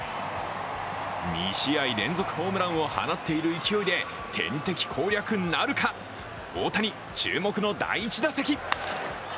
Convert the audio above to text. ２試合連続ホームランを放っている勢いで天敵攻略となるか、大谷、注目の第１打席。